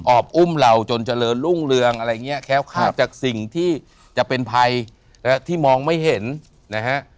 อบอุ้มเราจนเจริญรุ่งเรืองอะไรอย่างนี้แค้วคาดจากสิ่งที่จะเป็นภัยที่มองไม่เห็นนะฮะ